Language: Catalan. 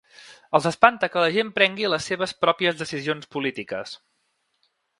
Els espanta que la gent prengui les seves pròpies decisions polítiques.